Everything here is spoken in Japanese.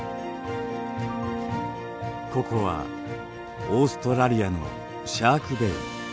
ここはオーストラリアのシャークベイ。